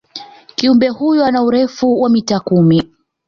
kiumbe huyu ana urefu wa mita kumi